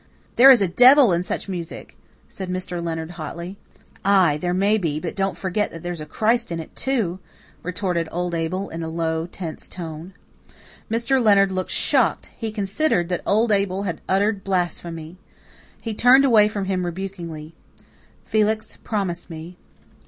"There is a devil in such music," said Mr. Leonard hotly. "Ay, there may be, but don't forget that there's a Christ in it, too," retorted old Abel in a low tense tone. Mr. Leonard looked shocked; he considered that old Abel had uttered blasphemy. He turned away from him rebukingly. "Felix, promise me."